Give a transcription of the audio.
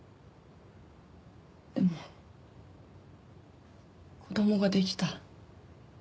でも子供ができた。